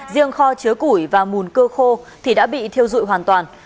riêng kho chứa củi và mùn cư khô thì đã bị thiêu dụi hoàn toàn